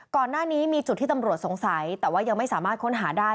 ก่อนหน้านี้มีจุดที่ตำรวจสงสัยแต่ว่ายังไม่สามารถค้นหาได้